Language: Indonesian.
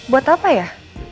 buat apa ya